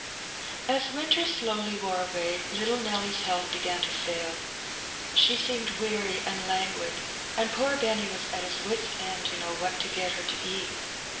» As winter slowly wore away, little Nelly^s health began to fail. She seemed weary and languid, and poor Benny was at his wits^ end to know what to get her to eat.